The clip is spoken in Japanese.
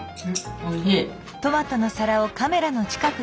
おいしい！